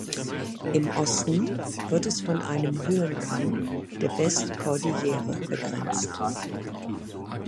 Im Osten wird es von einem Höhenkamm der Westkordillere begrenzt.